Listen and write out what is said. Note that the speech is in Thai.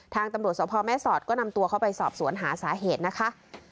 ทางตำรวจสพแม่สอดก็นำตัวเขาไปสอบสวนหาสาเหตุนะคะ